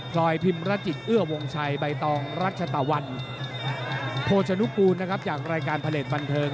คลอยพิมรจิตเอื้อวงชัยใบตองรัชตวรรษโภชนุกูลจากรายการพลเกลตบันเทิง